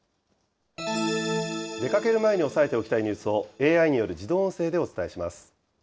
出かける前に押さえておきたいニュースをＡＩによる自動音声